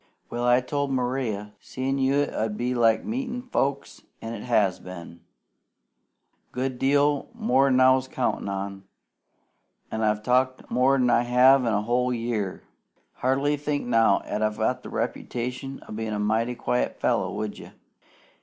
Well, I told Maria seein' you 'ud be like meetin' folks, an' it has been. Good deal more'n I counted on, an' I've talked more'n I have in a whole year. Hardly think now 'at I've the reputation o' being a mighty quiet fellow, would you?"